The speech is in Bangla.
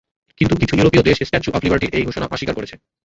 কিন্তু কিছু ইউরোপীয় দেশ স্ট্যাচু অব লিবার্টির এই ঘোষণা অস্বীকার করছে।